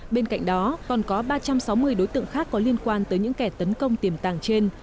bên cạnh đó còn có ba trăm sáu mươi đối tượng khác có liên quan tới những kẻ tấn công tiềm tàng trên